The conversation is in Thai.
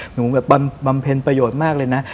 หนูแบบบำเพ็ญประโยชน์มากเลยนะ